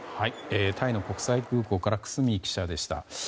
タイの国際空港から久須美記者でした。